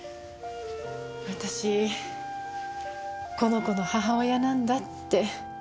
私この子の母親なんだって。